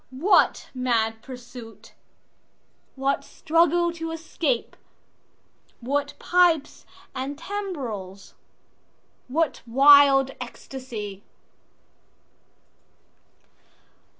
What mad pursuit? What struggle to escape? What pipes and timbrels? What wild ecstasy?